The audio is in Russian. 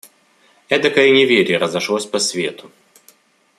Эдакое неверье разошлось по свету!